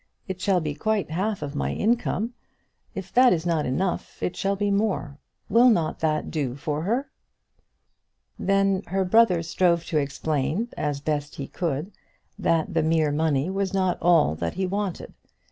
It shall be quite half of my income. If that is not enough it shall be more. Will not that do for her?" Then her brother strove to explain as best he could that the mere money was not all he wanted.